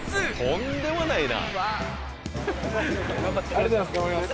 とんでもないな！